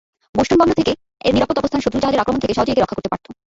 Boston বন্দর থেকে এর নিরাপদ অবস্থান শত্রু-জাহাজের আক্রমণ থেকে সহজেই একে রক্ষা করতে পারত।